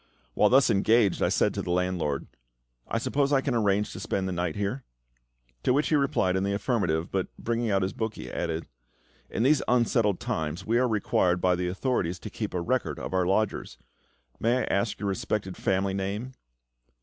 While thus engaged I said to the landlord, "I suppose I can arrange to spend the night here?" To which he replied in the affirmative; but bringing out his book, he added "In these unsettled times we are required by the authorities to keep a record of our lodgers: may I ask your respected family name?"